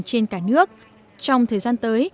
trên cả nước trong thời gian tới